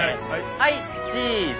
はいチーズ。